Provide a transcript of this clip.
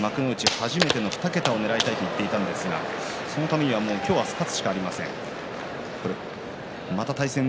初めての２桁をねらいたいと言っていたんですがそのためには、今日明日は勝つしかありません。